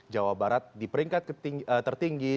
jawa barat di peringkat tertinggi